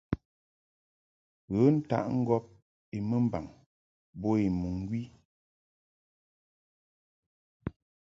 Ghə ntaʼ ŋgɔb I mɨmbaŋ bo I mɨŋgwi.